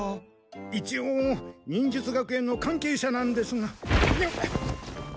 一応忍術学園の関係者なんですが。